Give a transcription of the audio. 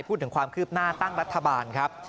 พูดถึงความคืบหน้าตั้งรัฐบาลครับ